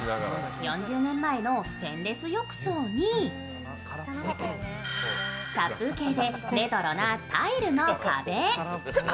４０年前のステンレス浴槽に殺風景でレトロなタイルの壁。